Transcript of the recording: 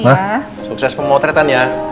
nah sukses pemotretan ya